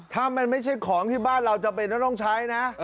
ถ้ามันไม่ใช่ของที่บ้านเราจำเป็นต้องใช้นะ